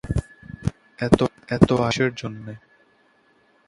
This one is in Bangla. এত আয়োজন কীসের জন্য?